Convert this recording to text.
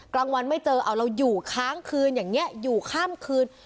กลางวันไม่เจอเอาเราอยู่ค้างคืนอย่างนี้อยู่ข้ามคืน